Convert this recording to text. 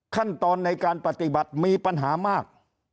ขั้นตอนในการปฏิบัติมีปัญหามาก